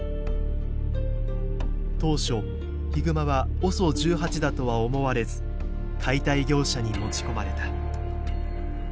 当初ヒグマはＯＳＯ１８だとは思われず解体業者に持ち込まれた。